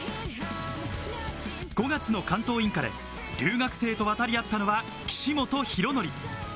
５月の関東インカレ、留学生と渡り合ったのは岸本大記。